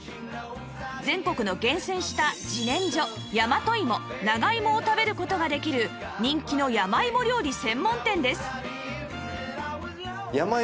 全国の厳選した自然薯・大和芋・長芋を食べる事ができる人気の山芋料理専門店です